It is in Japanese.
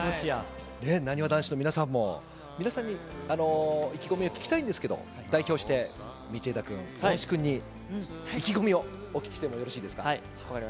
なにわ男子の皆さんも、皆さんに意気込みを聞きたいんですけど、代表して、道枝君、大橋君に、意気込みをお聞きしてもよろしいですか。